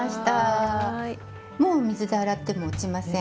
もう水で洗っても落ちません。